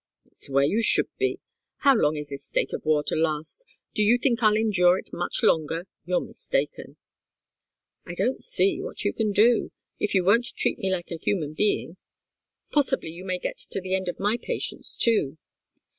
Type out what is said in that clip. "It's where you should be. How long is this state of war to last? Do you think I'll endure it much longer? You're mistaken." "I don't see what you can do, if you won't treat me like a human being. Possibly you may get to the end of my patience, too."